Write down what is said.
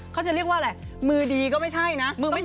เขาจะเรียกว่าอะไรมือดีก็ไม่ใช่นะ